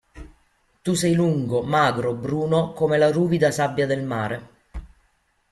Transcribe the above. Tu sei lungo, magro, bruno come la ruvida sabbia del mare.